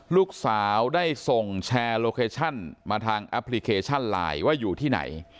ลูกสาวได้ส่งแชร์โลเคชั่นมาทางแอปพลิเคชันไลน์ว่าอยู่ที่ไหน